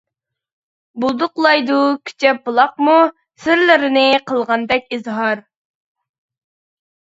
بۇلدۇقلايدۇ كۈچەپ بۇلاقمۇ، سىرلىرىنى قىلغاندەك ئىزھار.